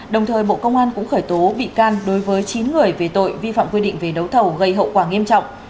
đồng thời bộ công an cũng khởi tố bị can đối với chín người về tội vi phạm quy định về đấu thầu gây hậu quả nghiêm trọng